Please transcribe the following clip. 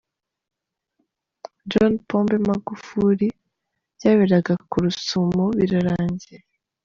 John Pombe Magufuli byaberaga ku Rusumo birarangiye.